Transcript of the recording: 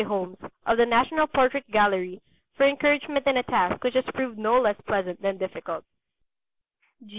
Holmes, of the National Portrait Gallery, for encouragement in a task which has proved no less pleasant than difficult.